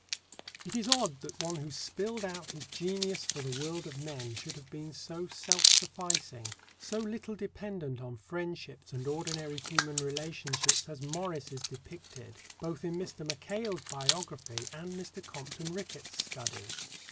It is odd that one who spilled out his genius for the world of men should have been so self sufficing, so little dependent on friendships and ordinary human relationships as Morris is depicted both in Mr. Mackail's biography and Mr. Compton Rickett's study.